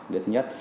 đấy là thứ nhất